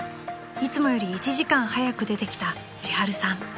［いつもより１時間早く出てきた千春さん］